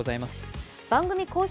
番組公式